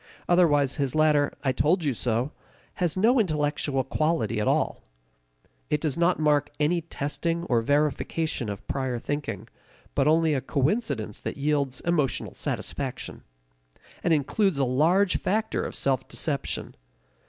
Otherwise his later "I told you so" has no intellectual quality at all; it does not mark any testing or verification of prior thinking, but only a coincidence that yields emotional satisfaction and includes a large factor of self deception.